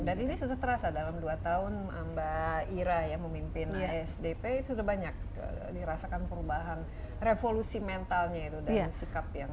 dan ini sudah terasa dalam dua tahun mbak ira yang memimpin asdp itu sudah banyak dirasakan perubahan revolusi mentalnya itu dan sikap yang